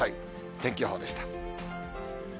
天気予報でした。